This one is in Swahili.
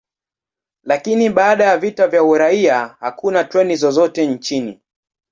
Lakini baada ya vita vya uraia, hakuna treni zozote nchini.